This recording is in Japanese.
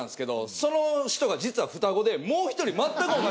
その人が実は双子でもう１人。